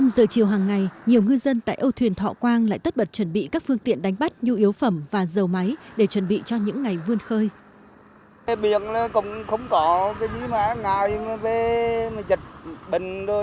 một mươi giờ chiều hàng ngày nhiều ngư dân tại âu thuyền thọ quang lại tất bật chuẩn bị các phương tiện đánh bắt nhu yếu phẩm và dầu máy để chuẩn bị cho những ngày vươn khơi